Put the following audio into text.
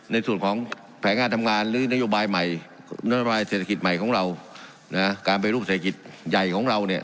ในส่วนของแผนงานทำงานหรือนโยบายใหม่นโยบายเศรษฐกิจใหม่ของเรานะการไปรูปเศรษฐกิจใหญ่ของเราเนี่ย